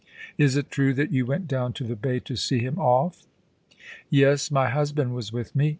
* Is it true that you went down to the Bay to see him off?* * Yes. My husband was with me.